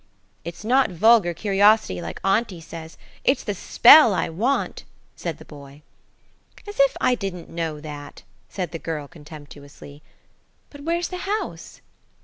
"It's not vulgar curiosity, like auntie says; it's the spell I want," said the boy. "As if I didn't know that," said the girl contemptuously. "But where's the house?"